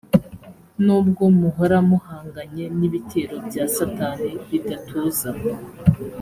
nubwo muhora muhanganye n ibitero bya satani bidatuza